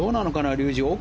竜二。